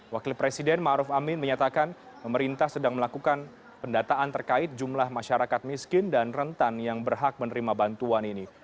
wakil presiden maruf amin menyatakan pemerintah sedang melakukan pendataan terkait jumlah masyarakat miskin dan rentan yang berhak menerima bantuan ini